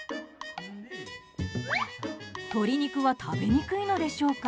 鶏肉は食べにくいのでしょうか。